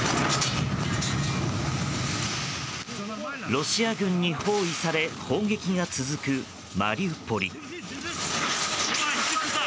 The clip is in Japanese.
ロシア軍に包囲され砲撃が続くマリウポリ。